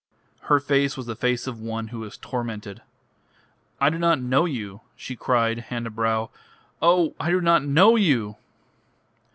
Her face was the face of one who is tormented. "I do not know you," she cried, hand to brow. "Oh, I do not know you!"